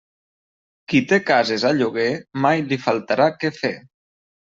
Qui té cases a lloguer, mai li faltarà què fer.